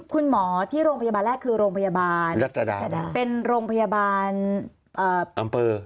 คุณหมอที่โรงพยาบาลแรกคือโรงพยาบาลเป็นโรงพยาบาลอำเภอ